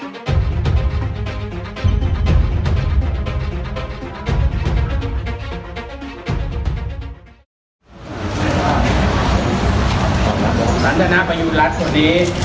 นั้นจะน่าไปอยู่ร้านตรงนี้